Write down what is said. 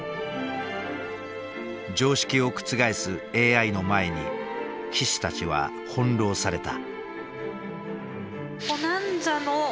常識を覆すＡＩの前に棋士たちは翻弄された。